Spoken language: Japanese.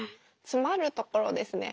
つまるところですね